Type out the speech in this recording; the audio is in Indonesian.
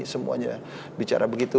semuanya bicara begitu